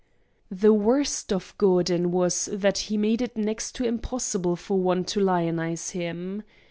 The worst of Gordon was that he made it next to impossible for one to lionize him.